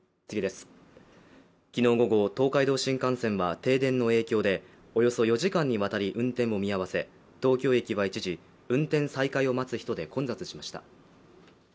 昨日午後、東海道新幹線は停電の影響でおよそ４時間にわたり運転を見合わせ東京駅は一時運転再開を待つ人で混雑しました。